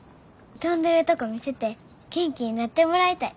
飛んでるとこ見せて元気になってもらいたい。